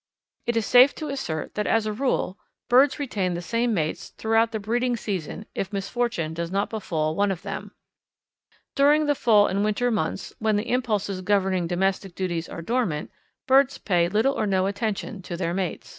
It is safe to assert that as a rule birds retain the same mates throughout the breeding season if misfortune does not befall one of them. During the fall and winter months, when the impulses governing domestic duties are dormant, birds pay little or no attention to their mates.